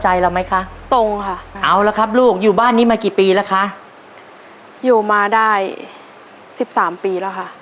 เราไหมคะตรงค่ะเอาละครับลูกอยู่บ้านนี้มากี่ปีแล้วคะอยู่มาได้สิบสามปีแล้วค่ะ